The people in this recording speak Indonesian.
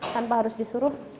tanpa harus disuruh